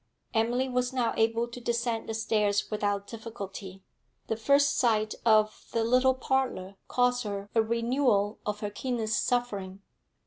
Emily was now able to descend the stairs without difficulty. The first sight of the little parlour cost her a renewal of her keenest suffering.